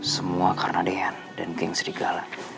semua karena deyan dan geng serigala